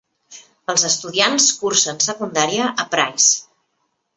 Els estudiants cursen secundària a Price.